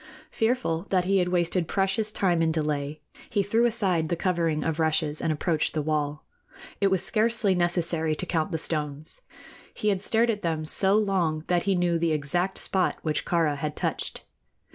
Fearful that he had wasted precious time in delay, he threw aside the covering of rushes and approached the wall. It was scarcely necessary to count the stones. He had stared at them so long that he knew the exact spot which Kāra had touched.